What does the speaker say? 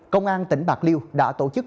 công an tỉnh bạc liêu đã tổ chức